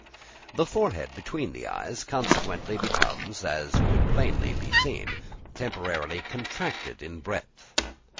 The forehead between the eyes consequently becomes, as could be plainly seen, temporarily contracted in breadth.